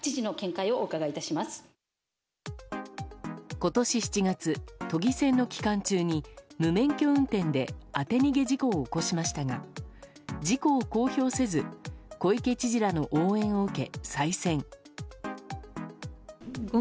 今年７月、都議選の期間中に無免許運転で当て逃げ事故を起こしましたが事故を公表せず小池知事らの応援を受け再選。